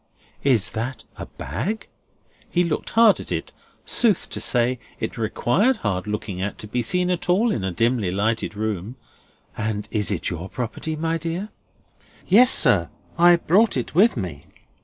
Is that a bag?" he looked hard at it; sooth to say, it required hard looking at to be seen at all in a dimly lighted room: "and is it your property, my dear?" "Yes, sir. I brought it with me."